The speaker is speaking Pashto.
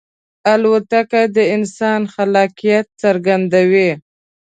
الوتکه د انسان خلاقیت څرګندوي.